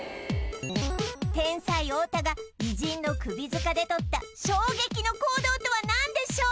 天才太田が偉人の首塚でとった衝撃の行動とは何でしょう？